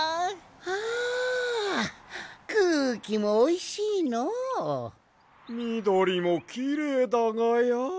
あくうきもおいしいのう。みどりもきれいだがや。